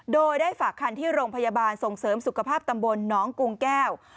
โดยได้ฝากคันที่โรงพยาบาลส่งเสริมสุขภาพตำบลน้องกุงแก้ว